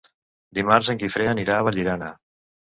Dimarts en Guifré anirà a Vallirana.